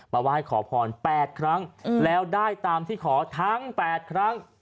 ไหว้ขอพร๘ครั้งแล้วได้ตามที่ขอทั้ง๘ครั้ง